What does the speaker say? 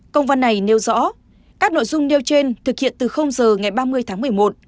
công văn này nêu rõ các nội dung nêu trên thực hiện từ giờ ngày ba mươi tháng một mươi một